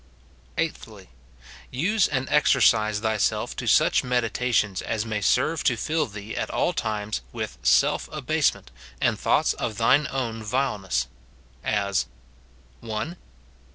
Eighthly — Use and exercise thyself to such medita tions as may serve to fill thee at all times with self abase ment and thoughts of thine own vileness ; as, — 1.